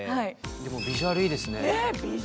でもビジュアルいいですね。